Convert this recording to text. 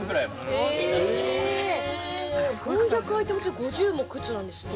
◆４００アイテムの中、５０も靴なんですね。